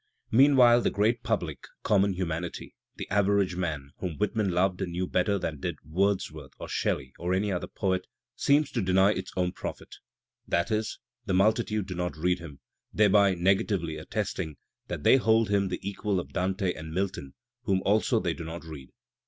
Meanwhile the great public, common humanity, the "aver age man" whom Whitman loved and knew better than did Wordsworth or Shelley or any other poet, seems to deny its own prophet. That is, the multitude do not read him, thereby negatively attesting that they hold him the equal of Dante and Milton, whom also they do not read.